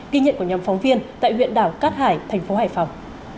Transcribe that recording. ghi nhận của nhóm phóng viên tại huyện đảo cát hải thành phố hải phòng